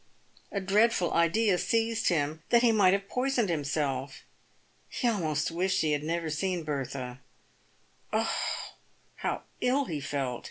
A dreadful idea seized him, that he might have poisoned himself. He almost wished he had never seen Bertha. Oh ! how ill he felt.